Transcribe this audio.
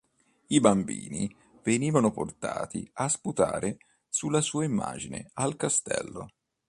I bambini venivano portati a sputare sulla sua immagine al castello.